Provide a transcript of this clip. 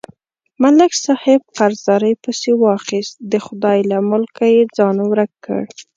ملک صاحب قرضدارۍ پسې واخیست، د خدای له ملکه یې ځان ورک کړ.